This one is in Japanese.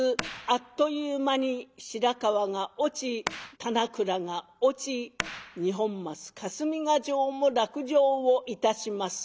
あっという間に白河が落ち棚倉が落ち二本松霞ヶ城も落城をいたします。